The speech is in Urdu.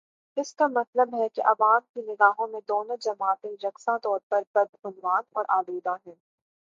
اس کا مطلب ہے کہ عوام کی نگاہوں میں دونوں جماعتیں یکساں طور پر بدعنوان اور آلودہ ہیں۔